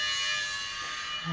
あ